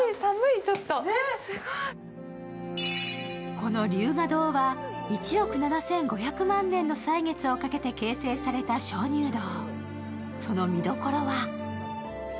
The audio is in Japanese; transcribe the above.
この龍河洞は１億７５００万年の歳月をかけて形成された鍾乳洞。